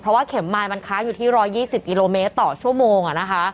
เพราะว่าเข็มมายมันค้างอยู่ที่๑๒๐กิโลเมตรต่อชั่วโมง